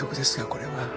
これは。